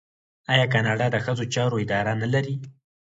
آیا کاناډا د ښځو چارو اداره نلري؟